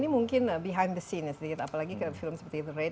mungkin di belakang apalagi film seperti the raid